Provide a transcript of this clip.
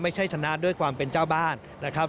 ชนะด้วยความเป็นเจ้าบ้านนะครับ